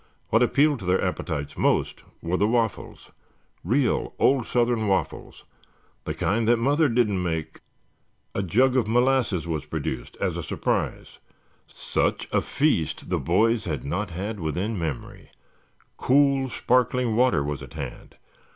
What appealed to their appetites most were the waffles, real old southern waffles, the kind that mother didn't make. A jug of molasses was produced as a surprise. Such a feast the boys had not had within memory. Cool, sparkling water was at hand.